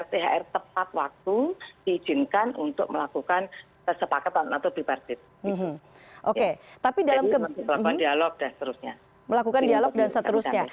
tidak mampu membayar thr tepat waktu diizinkan untuk melakukan kesepakatan atau bipartit